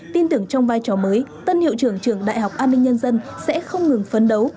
tin tưởng trong vai trò mới tân hiệu trưởng trường đại học an ninh nhân dân sẽ không ngừng phấn đấu